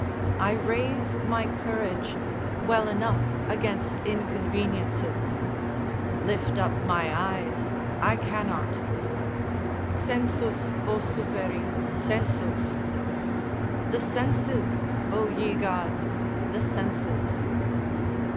I raise my courage, well enough against inconveniences: lift up my eyes I cannot: "Sensus, o superi, sensus." ["The senses, O ye gods, the senses."